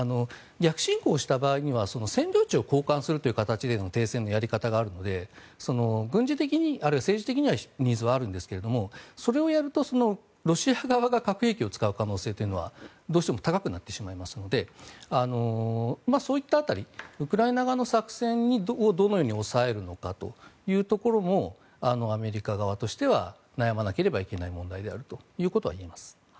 逆侵攻した場合には占領地を交換するという形での停戦のやり方があるので軍事的に、あるいは政治的にはニーズがあるんですがそれをやるとロシア側が核兵器を使う可能性はどうしても高くなってしまいますのでそういった辺りウクライナ側の作戦にどのように押さえるのかというところもアメリカ側としては悩まなければいけない問題であるということは言えます。